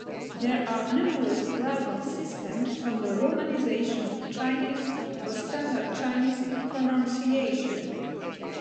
There are numerous rival systems for the Romanization of Chinese for Standard Chinese pronunciation.